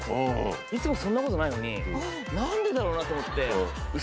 いつもそんなことないのに何でだろうなと思って。